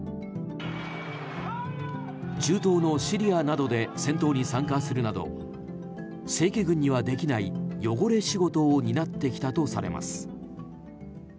中東のシリアなどで戦闘に参加するなど正規軍にはできない汚れ仕事を担ってきたとされます。